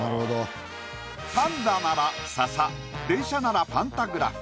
パンダなら笹電車ならパンタグラフ。